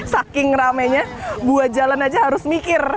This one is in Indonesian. saking rame nya buat jalan aja harus mikir